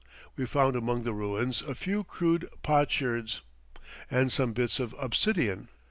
We found among the ruins a few crude potsherds and some bits of obsidian.